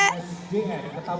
eh nggak tahu